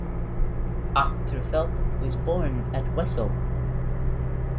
Achterfeldt was born at Wesel.